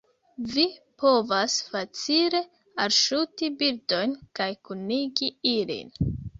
vi povas facile alŝuti bildojn kaj kunigi ilin